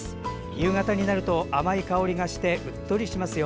夕方になると甘い香りがしてうっとりしますよ。